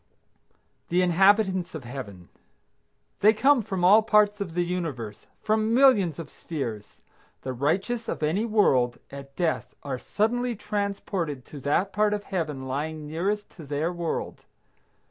THE INHABITANTS OF HEAVEN. They come from all parts of the universe, from millions of spheres. The righteous of any world, at death, are suddenly transported to that part of Heaven lying nearest to their world.